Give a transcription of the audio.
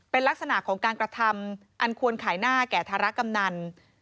เป็นลักษณะของการกระทำอันควรขายหน้าแก่ธารกำนัน